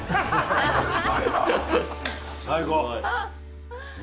最高！